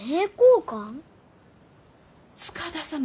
塚田様